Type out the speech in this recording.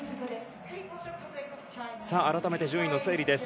改めて順位の整理です。